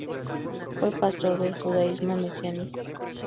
Fue pastor del judaísmo mesiánico.